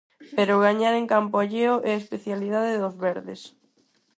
Pero gañar en campo alleo é a especialidade dos verdes.